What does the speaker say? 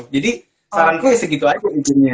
jadi saranku ya segitu aja